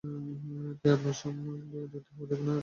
তাই আপনার যেমন সবজান্তা হওয়া যাবে না, তেমনি আশাহীনও হওয়া যাবে না।